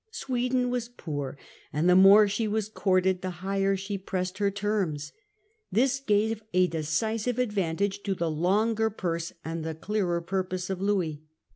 Sweden was poor, and the more she was courted the higher she raised her terms. This gave a decisive ad vantage to the longer purse and clearer purpose of Louis.